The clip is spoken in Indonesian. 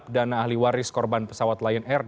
pak ivan selamat malam